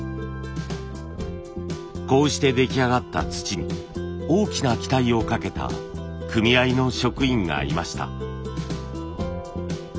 こうして出来上がった土に大きな期待をかけた組合の職員がいました。